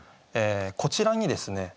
こちらにですね